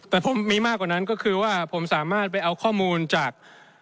แต่ผมมีมากกว่านั้นก็คือว่าผมสามารถไปเอาข้อมูลจาก